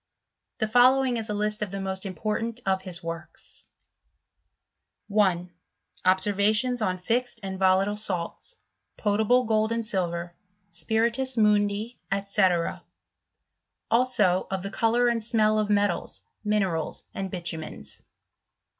Tha following is a list of the most important of his works: 1 . Observations on fixed and volatile Salts, potable Gold and Silver, Spiritus Mundi, Sec. ; also of the colour and smell of metals, minerals, and bitumens.